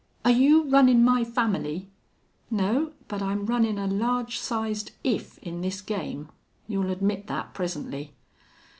"Are you runnin' my family?" "No. But I'm runnin' a large sized if in this game. You'll admit that presently....